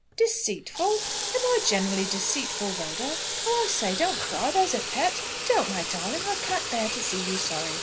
"Deceitful! Am I generally deceitful, Rhoda? Oh, I say, don't cry; there's a pet! Don't, my darling! I can't bear to see you sorry.